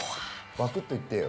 バクッといってよ